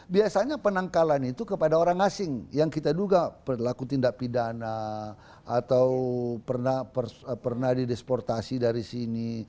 biasanya penangkalan itu kepada orang asing yang kita duga pelaku tindak pidana atau pernah didesportasi dari sini